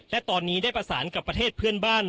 และตอนนี้ได้ประสานกับประเทศเพื่อนบ้าน